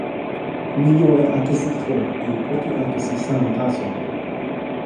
mi jo e akesi po, e poki akesi san taso.